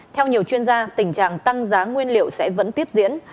theo nhiều chuyên gia tình trạng tăng giá nguyên liệu sẽ vẫn tiếp diễn